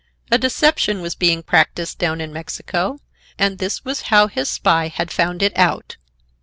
A deception was being practised down in New Mexico, and this was how his spy had found it out.